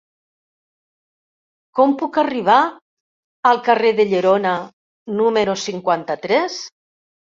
Com puc arribar al carrer de Llerona número cinquanta-tres?